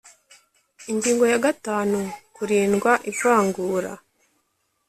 Ingingo ya gatanu Kurindwa ivangura